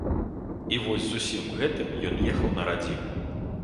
І вось з усім гэтым ён ехаў на радзіму.